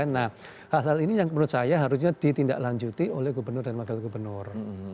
nah hal hal ini yang menurut saya harusnya ditindaklanjuti oleh gubernur dan wakil gubernur